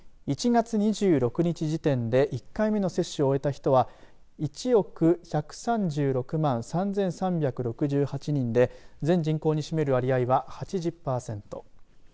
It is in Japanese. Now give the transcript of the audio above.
１月２６日時点で１回目の接種を終えた人は１億１３６万３３６８人で全人口に占める割合は８０パーセント。